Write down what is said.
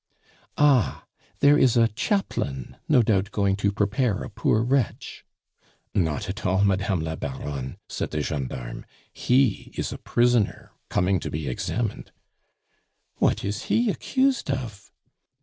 "Ah, there is a chaplain no doubt going to prepare a poor wretch " "Not at all, Madame la Baronne," said the gendarme. "He is a prisoner coming to be examined." "What is he accused of?"